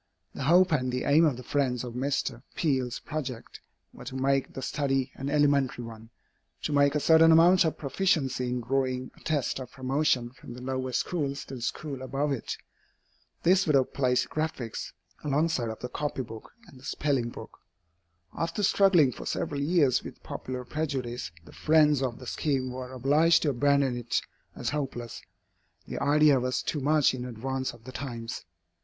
The hope and the aim of the friends of Mr. Peale's project were to make the study an elementary one to make a certain amount of proficiency in drawing a test of promotion from the lower schools to the schools above it. This would have placed "Graphics" alongside of the copy book and the spelling book. After struggling for several years with popular prejudice, the friends of the scheme were obliged to abandon it as hopeless. The idea was too much in advance of the times.